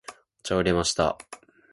お茶を入れました。